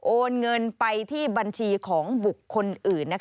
โอนเงินไปที่บัญชีของบุคคลอื่น